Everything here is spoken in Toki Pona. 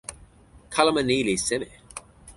kalama ni li seme?